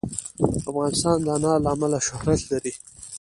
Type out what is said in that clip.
افغانستان د انار له امله شهرت لري.